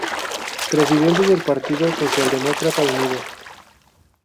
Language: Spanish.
Presidente del Partido Socialdemócrata Unido.